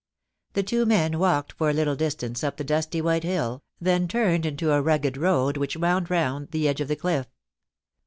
The t^'o men walked for a little distance up the dusty white hill, then turned into a rugged road which wound round the edge of the cliff.